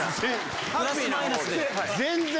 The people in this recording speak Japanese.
全然。